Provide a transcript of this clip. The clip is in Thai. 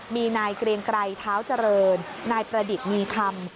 มีนายเกรียงไกรเท้าเจริญนายประดิษฐ์มีคำ